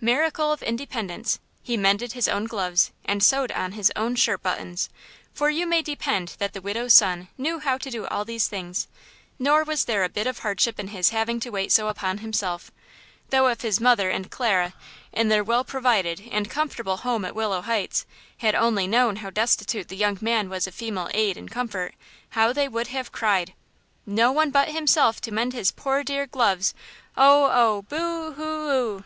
miracle of independence, he mended his own gloves and sewed on his own shirt buttons, for you may depend that the widow's son knew how to do all these things; nor was there a bit of hardship in his having so to wait upon himself, though if his mother and Clara, in their well provided and comfortable home at Willow Heights, had only known how destitute the young man was of female aid and comfort, how they would have cried! "No one but himself to mend his poor dear gloves! Oh–oh boo hoo oo!"